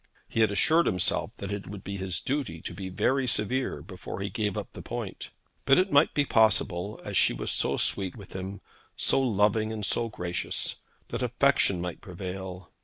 He had assured himself that it would be his duty to be very severe, before he gave up the point; but it might be possible, as she was so sweet with him, so loving and so gracious, that affection might prevail.